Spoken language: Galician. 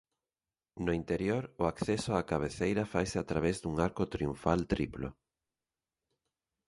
No interior o acceso á cabeceira faise a través dun arco triunfal triplo.